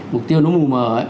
mục tiêu nó mù mờ ấy